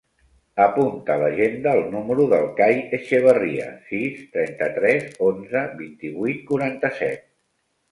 Apunta a l'agenda el número del Cai Echevarria: sis, trenta-tres, onze, vint-i-vuit, quaranta-set.